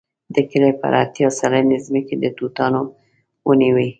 د کلي پر اتیا سلنې ځمکې د توتانو ونې وې.